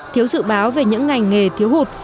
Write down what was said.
thiếu dự báo về những ngành nghề thiếu hụt